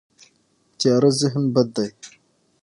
تیاره ذهن بد دی.